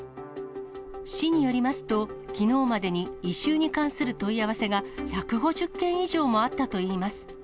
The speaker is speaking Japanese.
市によりますと、きのうまでに異臭に関する問い合わせが１５０件以上もあったといいます。